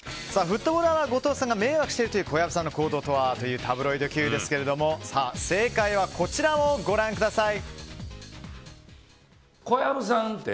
フットボールアワー後藤さんが迷惑しているという小籔さんの行動とは？というタブロイドＱですけども正解はこちらをご覧ください。